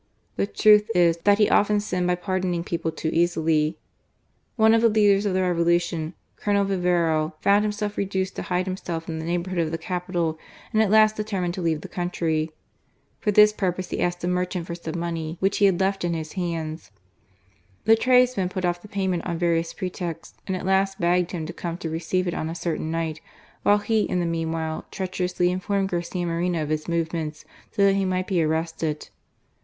The truth is, that he often sinned by pardoning people too easily* One of the leaders of the Revolution, Colonel Vivero, found himself reduced to hide himself in the neigh bourhood of the capital, and at last determined to leave the country. For this purpose he asked a merchant for some money, which he had left in his hands. The tradesman put off the payment on various pretexts, and at last begged him to come to receive it on a certain night ; while he, in the mean* while, treacherously informed Garcia Moreno of bis movements, so that he might be arrested.